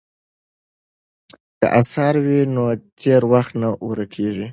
که اثار وي نو تېر وخت نه ورکیږي.